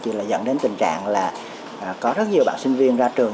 thì là dẫn đến tình trạng là có rất nhiều bạn sinh viên ra trường